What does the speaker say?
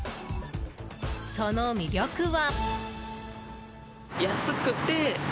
その魅力は。